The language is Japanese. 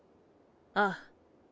ああ。